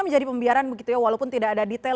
menjadi pembiaran begitu ya walaupun tidak ada detail